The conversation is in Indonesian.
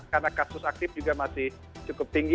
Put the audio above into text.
karena kasus aktif juga masih cukup tinggi